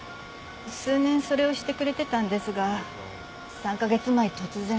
数年それをしてくれてたんですが３カ月前突然。